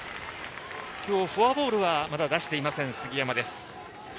今日フォアボールはまだ出していません杉山です。